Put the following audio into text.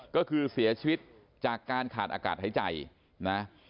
ก็คือเสียชีวิตจากการขาดอากาศหายใจนะ